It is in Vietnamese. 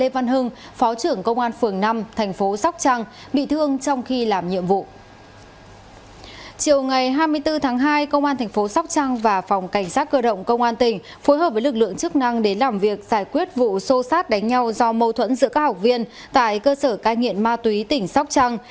các bộ đặc trụ sâu sát đánh nhau do mâu thuẫn giữa các học viên tại cơ sở cai nghiện ma túy tỉnh sóc trăng